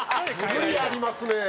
無理ありますね。